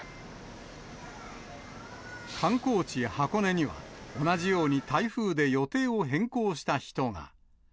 観光地、箱根には、同じように台風で予定を変更した人が。